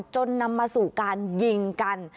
จนนำมาสู่การยิงกัน